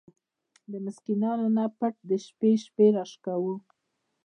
د مسکينانو نه پټ د شپې شپې را شکوو!!.